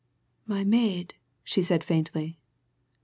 "My maid!" she said faintly.